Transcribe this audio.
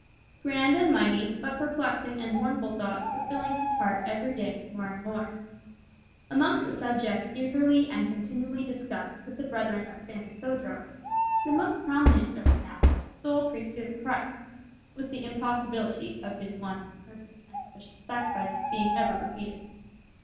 Grand and mighty, but perplexing and mournful thoughts were filling his heart every day more and more. Amongst the subjects eagerly and continually discussed with the brethren of San Isodro, the most prominent just now was the sole priesthood of Christ, with the impossibility of his one perfect and sufficient sacrifice being ever repeated.